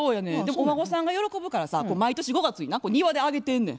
お孫さんが喜ぶからさ毎年５月にな庭であげてんねん。